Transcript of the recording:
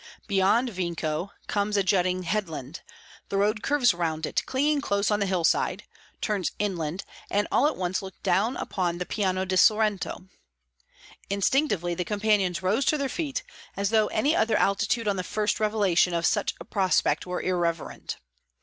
Beyond Vico comes a jutting headland; the road curves round it, clinging close on the hillside, turns inland, and all at once looks down upon the Piano di Sorrento. Instinctively, the companions rose to their feet, as though any other attitude on the first revelation of such a prospect were irreverent.